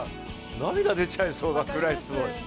涙、出ちゃいそうなぐらいすごい。